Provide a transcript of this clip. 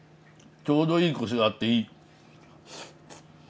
ちょうどいいコシがあっていい。